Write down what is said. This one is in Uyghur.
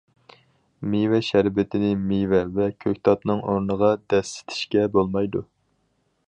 مېۋە شەربىتىنى مېۋە ۋە كۆكتاتنىڭ ئورنىغا دەسسىتىشكە بولمايدۇ.